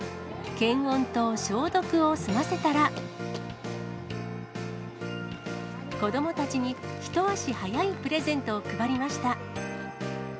検温と消毒を済ませたら、子どもたちに一足早いプレゼントを配りました。